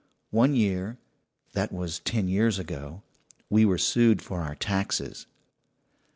One year that was ten years ago we were sued for our taxes.